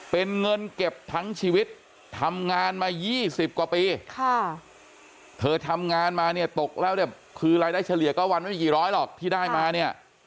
เป็นเงินเก็บทั้งชีวิตทำงานมา๒๐กว่าปีค่ะเธอทำงานมาเนี่ยตกแล้วเนี่ยคือรายได้เฉลี่ยก็วันไม่กี่ร้อยหรอกที่ได้มาเนี่ย